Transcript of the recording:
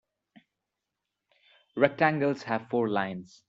Rectangles have four lines.